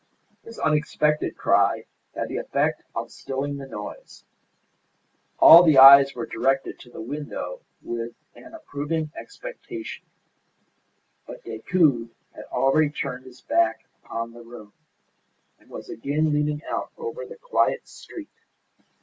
This unexpected cry had the effect of stilling the noise. All the eyes were directed to the window with an approving expectation; but Decoud had already turned his back upon the room, and was again leaning out over the quiet street.